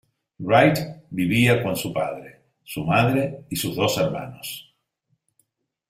Wright vivía con su padre, su madre y sus dos hermanos.